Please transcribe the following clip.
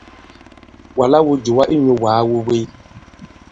Wàlā wū jùwa inyū wàa wu wèy.